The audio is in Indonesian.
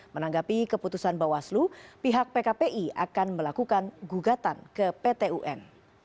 menanggapi keputusan bawaslu pihak pkpi akan melakukan gugatan ke pt un